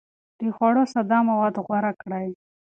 د خوړو ساده مواد غوره کړئ.